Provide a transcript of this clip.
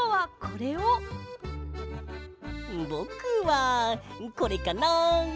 ぼくはこれかな。